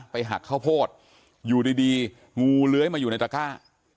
หักข้าวโพดอยู่ดีงูเลื้อยมาอยู่ในตระก้า